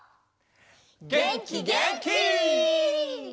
げんきげんき！